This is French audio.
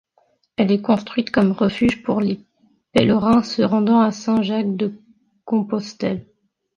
Elle est construite comme refuge pour les pèlerins se rendant à Saint-Jacques-de-Compostelle.